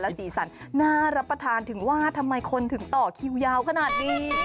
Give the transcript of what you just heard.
สีสันน่ารับประทานถึงว่าทำไมคนถึงต่อคิวยาวขนาดนี้